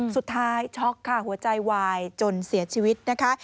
ช็อกค่ะหัวใจวายจนเสียชีวิตนะคะ